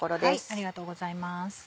ありがとうございます。